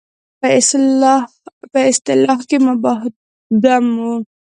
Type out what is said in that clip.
په اصطلاح مباح الدم وو.